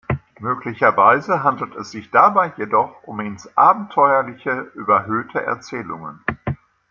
Möglicherweise handelt es sich dabei jedoch um ins Abenteuerliche überhöhte Erzählungen.